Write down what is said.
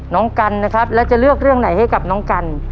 น้องกันนะครับแล้วจะเลือกเรื่องไหนให้กับน้องกัน